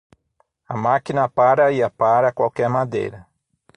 A máquina apara e apara qualquer madeira.